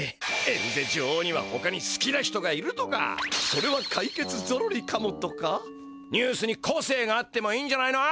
エルゼ女王にはほかにすきな人がいるとかそれはかいけつゾロリかもとかニュースにこせいがあってもいいんじゃないの？